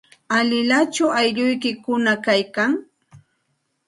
¿Alilachu aylluykikuna kaykan?